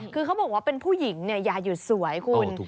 คือเขาบอกว่าเป็นผู้หญิงอย่าหยุดสวยคุณ